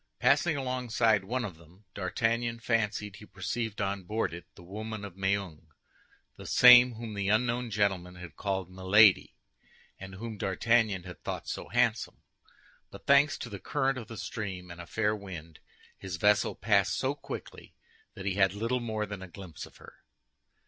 Passing alongside one of them, D'Artagnan fancied he perceived on board it the woman of Meung—the same whom the unknown gentleman had called Milady, and whom D'Artagnan had thought so handsome; but thanks to the current of the stream and a fair wind, his vessel passed so quickly that he had little more than a glimpse of her.